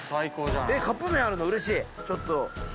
カップ麺あるのうれしいちょっと冷えるし。